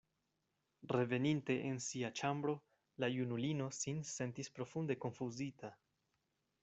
Reveninte en sia ĉambro, la junulino sin sentis profunde konfuzita.